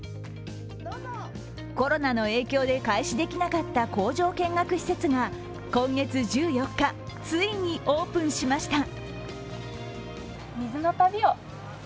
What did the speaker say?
コロナの影響で開始できなかった工場見学施設が今月１４日、ついにオープンしました。